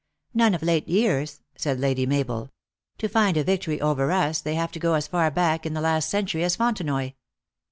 " None of late years," said Lady Mabel. " To find a victory over us they have to go as far back in the last century as Fontenoy."